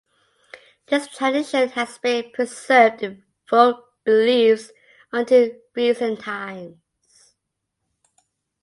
This tradition has been preserved in folk beliefs until recent times.